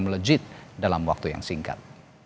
melejit dalam waktu yang singkat